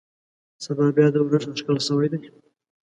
سبا بيا د اورښت اټکل شوى.